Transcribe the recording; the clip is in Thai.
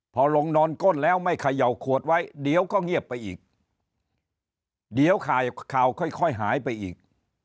พอลงนอนก้นแล้วไม่เขย่าขวดไว้เดี๋ยวก็เงียบไปอีกเดี๋ยวข่าวข่าวค่อยหายไปอีก